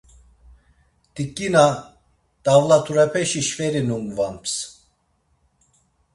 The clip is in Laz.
T̆iǩina, T̆avlaturepeşi şveri numgvams.